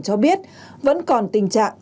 cho biết vẫn còn tình trạng